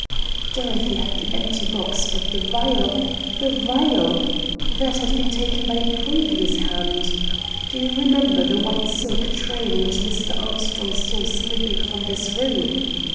"Dorothy had the empty box; but the vial! the vial! that had been taken by a previous hand. Do you remember the white silk train which Mr. Armstrong saw slipping from this room?